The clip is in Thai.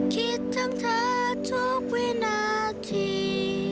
คิดทั้งเธอทุกวินาที